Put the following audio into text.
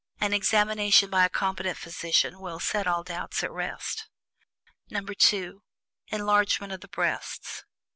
An examination by a competent physician will set all doubts at rest. (2) ENLARGEMENT OF THE BREASTS.